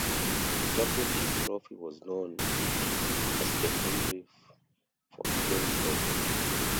The championship trophy was known as the Henri Fontaine Trophy.